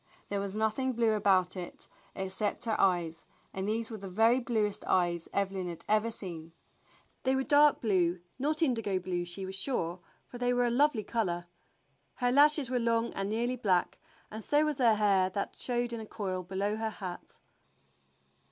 There was nothing blue about it except her eyes, and these were the very bluest eyes Evelyn had ever seen. They were dark blue, not indigo blue she was sure, for they were a lovely color. Her lashes were long and nearly black, and so was her hair that showed in a coil below her hat.